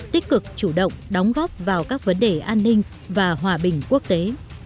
tích cực chủ động đóng góp vào các vấn đề an ninh và hòa bình quốc tế